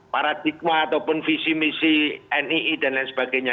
paradigma ataupun visi misi nii dan lain sebagainya